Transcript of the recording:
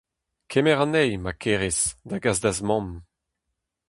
Kemer anezhi, ma kerez, da gas da'z mamm !